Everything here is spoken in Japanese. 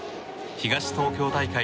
東東京大会